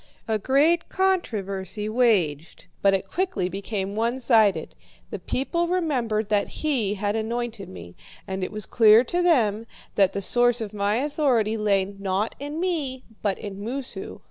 A great controversy waged, but it quickly became one sided. The people remembered that he had anointed me, and it was clear to them that the source of my authority lay, not in me, but in Moosu.